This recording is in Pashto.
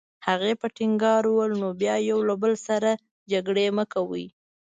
هغې په ټینګار وویل: نو بیا یو له بل سره جګړې مه کوئ.